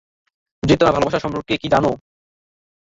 যে তোমরা ভালোবাসা সম্পর্কে কি জানো?